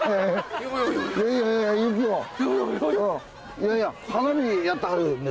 いやいや花火やってはるんですか？